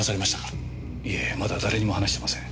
いえまだ誰にも話してません。